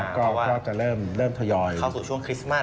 ก็จะเริ่มต่อยอยู่กันนะครับใช่เข้าสู่ช่วงคริสต์มัส